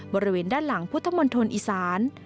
บริเวณด้านหลังพุทธมณฑลอีสาน